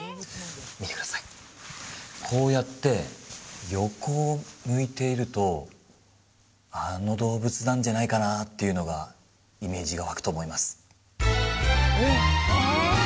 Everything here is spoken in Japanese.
見てくださいこうやって横を向いているとあの動物なんじゃないかなっていうのがイメージが湧くと思います